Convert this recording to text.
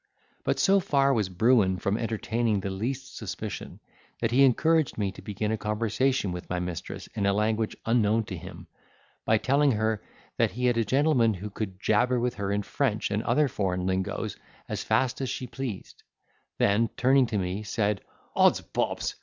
But so far was Bruin from entertaining the least suspicion, that he encouraged me to begin a conversation with my mistress in a language unknown to him, by telling her, that he had a gentleman who could jabber with her in French and other foreign lingoes as fast as she pleased; then, turning to me, said, "Odds bobs!